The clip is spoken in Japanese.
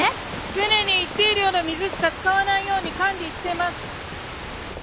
常に一定量の水しか使わないように管理してます。